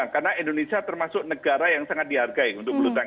karena indonesia termasuk negara yang sangat dihargai untuk melutang